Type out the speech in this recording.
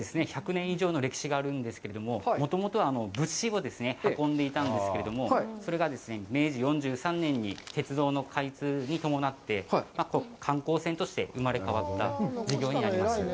１００年以上の歴史があるんですけれども、もともとは物資を運んでいたんですけれども、それが明治４３年に鉄道の開通に伴って観光船として生まれ変わった事業になります。